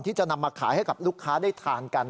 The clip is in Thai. ที่จะนำมาขายให้กับลูกค้าได้ทานกัน